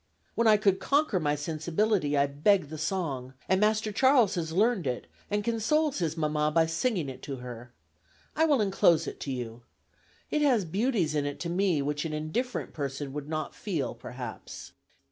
When I could conquer my sensibility I begged the song, and Master Charles has learned it, and consoles his mamma by singing it to her. I will inclose it to you. It has beauties in it to me which an indifferent person would not feel, perhaps.